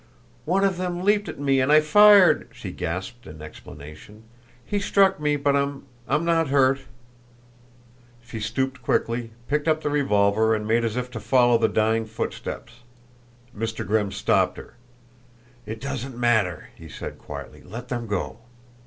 "One of them leaped at me and I fired," she gasped in explanation. "He struck me, but I'm I'm not hurt." She stooped quickly, picked up the revolver and made as if to follow the dying footsteps. Mr. Grimm stopped her. "It doesn't matter," he said quietly. "Let them go."